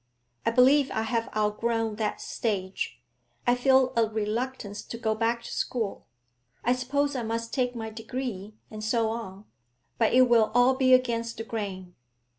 I believe I have outgrown that stage; I feel a reluctance to go back to school. I suppose I must take my degree, and so on, but it will all be against the grain.'